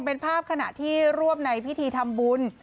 เป็นภาพขณะที่รวบในพิธีทำบุญ